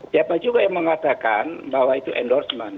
siapa juga yang mengatakan bahwa itu endorsement